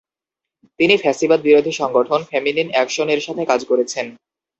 তিনি ফ্যাসিবাদ বিরোধী সংগঠন "ফেমিনিন অ্যাকশন" এর সাথে কাজ করেছেন।